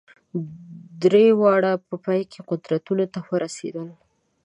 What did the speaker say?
درې واړه په پای کې قدرت ته ورسېدل.